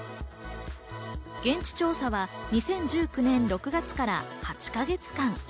現地調査は２０１９年６月から８か月間。